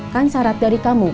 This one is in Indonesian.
kan syarat dari kamu